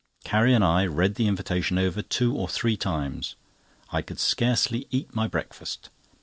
Carrie and I read the invitation over two or three times. I could scarcely eat my breakfast.